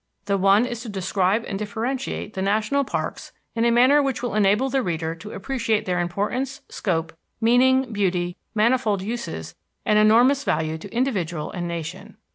The one is to describe and differentiate the national parks in a manner which will enable the reader to appreciate their importance, scope, meaning, beauty, manifold uses and enormous value to individual and nation.